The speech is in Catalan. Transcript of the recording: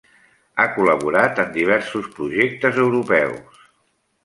Ha col·laborat en diversos projectes europeus.